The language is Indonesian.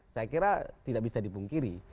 saya kira tidak bisa dipungkiri